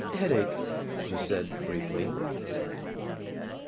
Headache," she said briefly.